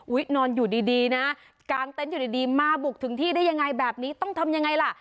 นอนอยู่ดีดีนะกลางเต็นต์อยู่ดีมาบุกถึงที่ได้ยังไงแบบนี้ต้องทำยังไงล่ะ